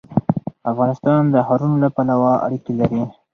افغانستان د ښارونو له پلوه اړیکې لري.